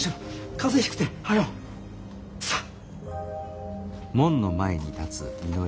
風邪ひくて早う。さあ！